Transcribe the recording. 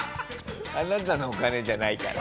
あなたのお金じゃないから。